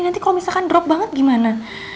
nanti kalau misalkan drop banget gimana